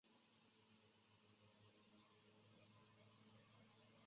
阿什海达尔汉珲台吉的长子。